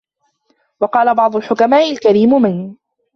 وَقَالَ بَعْضُ الْحُكَمَاءِ الْكَرِيمُ مَنْ